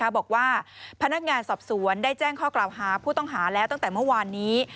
บอกว่าพนักงานสอบสวนได้แจ้งข้อกล่าวหาผู้ต้องหาแล้วตั้งแต่เมื่อวานนี้